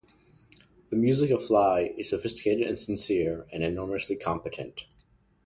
The music of Fly is sophisticated and sincere and enormously competent.